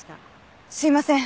すいません